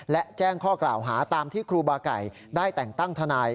และแจ้งข้อกล่าวหาตามที่ครูบาไก่ได้แต่งตั้งทนาย